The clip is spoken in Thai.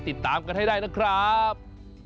ติดตามกันให้ได้นะครับ